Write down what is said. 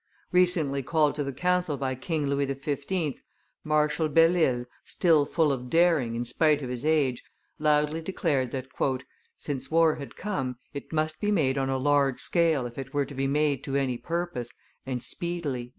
Recently called to the council by King Louis XV., Marshal Belle Isle, still full of daring in spite of his age, loudly declared that, "since war had come, it must be made on a large scale if it were to be made to any purpose, and speedily."